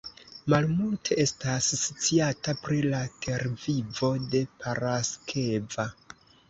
Malmulte estas sciata pri la tervivo de Paraskeva.